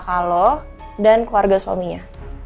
makam lo dan keluarga suaminya